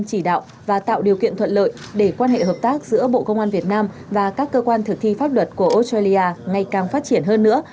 chỉ đạo và tạo điều kiện thuận lợi để quan hệ hợp tác giữa bộ công an việt nam và các cơ quan thực thi pháp luật của australia ngày càng phát triển hơn nữa